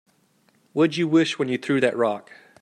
What'd you wish when you threw that rock?